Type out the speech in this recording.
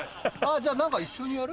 じゃあ何か一緒にやる？